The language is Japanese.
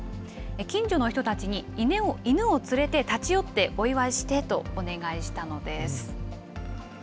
近所の人たちに犬を連れて、立ち寄ってお祝いしてとお願いしたのです。